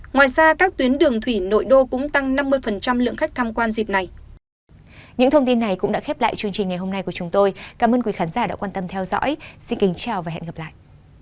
ngoài ra các tuyến đường thủy nội đô cũng tăng năm mươi lượng khách tham quan dịp này